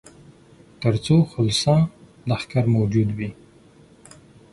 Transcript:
تر څو خلصه لښکر موجود وي.